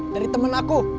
dari temen aku